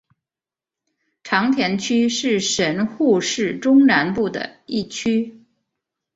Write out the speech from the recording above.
长田区是神户市中南部的一区。